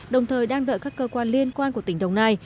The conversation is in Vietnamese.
đồng thời đang đợi các cơ quan liên quan của tỉnh đồng nai